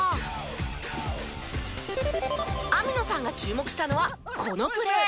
網野さんが注目したのはこのプレー。